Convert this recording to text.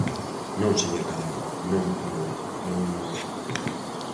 Non, señor Cadrado, non, non, non, non.